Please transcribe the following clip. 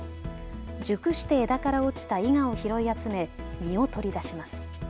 熟して枝から落ちたいがを拾い集め実を取り出します。